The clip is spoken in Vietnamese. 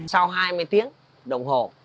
sau hai mươi tiếng đồng hồ